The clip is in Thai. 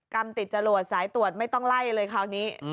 กรรมติดจรวดสายตรวจไม่ต้องไล่เลยคราวนี้